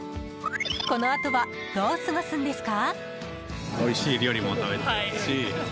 このあとはどう過ごすんですか？